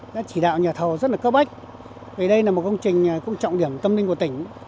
đã chỉ đạo nhà thầu rất là cấp bách vì đây là một công trình cũng trọng điểm tâm linh của tỉnh